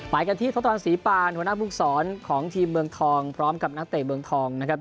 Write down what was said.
ไปกันที่ทศตวรรษีปานหัวหน้าภูมิสอนของทีมเมืองทองพร้อมกับนักเตะเมืองทองนะครับ